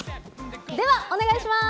では、お願いします。